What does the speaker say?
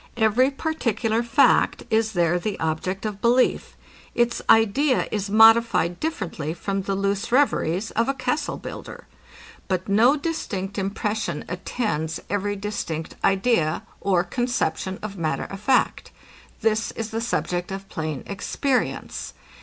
Every particular fact is there the object of belief. Its idea is modified differently from the loose reveries of a castle builder: But no distinct impression attends every distinct idea, or conception of matter of fact. This is the subject of plain experience.